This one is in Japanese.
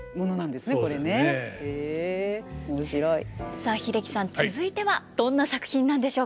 さあ英樹さん続いてはどんな作品なんでしょうか。